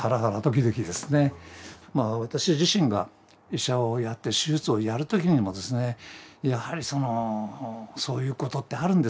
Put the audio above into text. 私自身が医者をやって手術をやる時にもですねやはりそういうことってあるんですね。